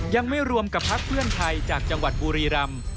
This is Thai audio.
ยังไม่รวมกับพักเพื่อนไทยจากจังหวัดบุรีรำ